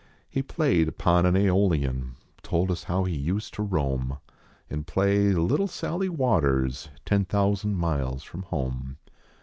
He played upon an Aeolian, Told us how he used to roam An play " Little Sally Waters" Ten thousand miles from home.